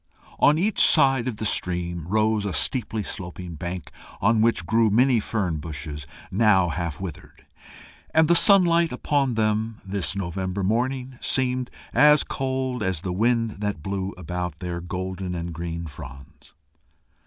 On each side of the stream rose a steeply sloping bank, on which grew many fern bushes, now half withered, and the sunlight upon them, this November morning, seemed as cold as the wind that blew about their golden and green fronds.